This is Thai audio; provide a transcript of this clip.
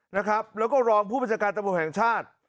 นะครับแล้วก็รองผู้บัญชาการตำรวจแห่งชาติ